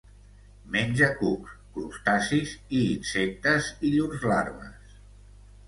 Menja cucs, crustacis i insectes i llurs larves.